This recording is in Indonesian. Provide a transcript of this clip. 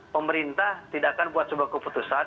pemerintah tidak akan buat sebuah keputusan